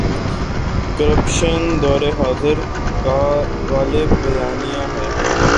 Corruption دور حاضر کا غالب بیانیہ ہے۔